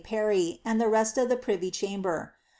Parry and the rest of the privy chamber.